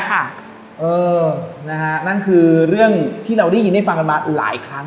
เออนะฮะนั่นคือเรื่องที่เราได้ยินได้ฟังกันมาหลายครั้ง